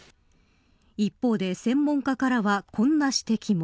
一方で専門家からはこんな指摘も。